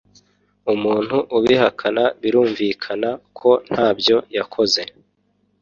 umuntu ubihakana birumvikana ko ntabyo yakoze